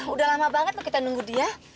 udah lama banget tuh kita nunggu dia